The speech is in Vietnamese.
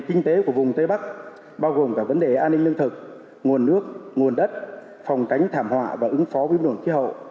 kinh tế của vùng tây bắc bao gồm cả vấn đề an ninh lương thực nguồn nước nguồn đất phòng tránh thảm họa và ứng phó biến đổi khí hậu